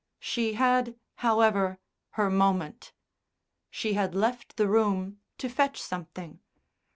She had, however, her moment.... She had left the room to fetch something.